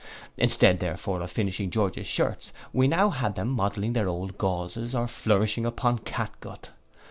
Instead therefore of finishing George's shirts, we now had them new modelling their old gauzes, or flourishing upon catgut.